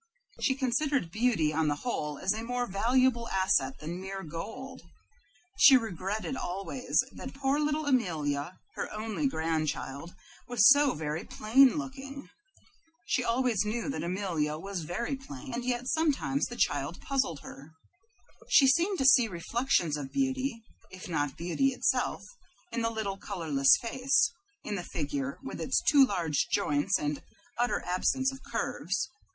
She considered beauty on the whole as a more valuable asset than mere gold. She regretted always that poor little Amelia, her only grandchild, was so very plain looking. She always knew that Amelia was very plain, and yet sometimes the child puzzled her. She seemed to see reflections of beauty, if not beauty itself, in the little colorless face, in the figure, with its too large joints and utter absence of curves.